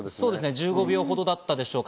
１５秒ほどだったでしょうか。